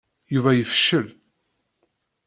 Yuba yefcel.